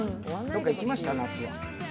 どこか行きました？夏は。